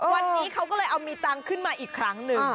วันนี้เขาก็เลยเอามีตังค์ขึ้นมาอีกครั้งหนึ่ง